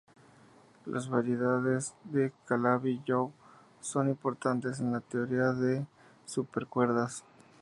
Los variedades de Calabi-Yau son importantes en la teoría de supercuerdas.